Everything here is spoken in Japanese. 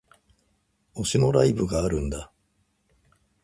推しのライブがあるんだ